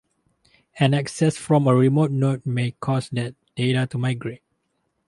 An access from a remote node may cause that data to migrate.